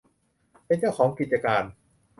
เป็นเจ้าของกิจการ